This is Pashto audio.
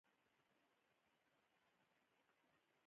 ما بوتلانو راوتلي سرونه له لیري نه ولیدل.